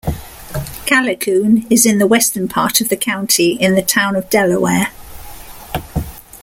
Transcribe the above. Callicoon is in the western part of the county in the Town of Delaware.